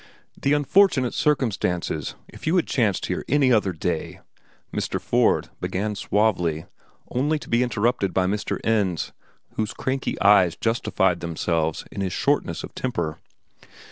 "The unfortunate circumstances—if you had chanced here any other day," Mr. Ford began suavely, only to be interrupted by Mr. Ends, whose cranky eyes justified themselves in his shortness of temper.